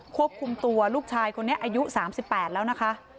ควบคุมตัวลูกชายคนนี้อายุ๓๘แล้วนะคะ